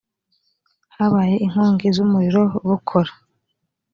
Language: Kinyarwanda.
habaye inkongi z’umuriro bukora